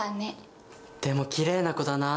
でもきれいな子だなあ。